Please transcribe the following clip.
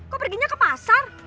kok perginya ke pasar